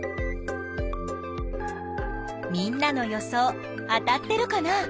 みんなの予想当たってるかな？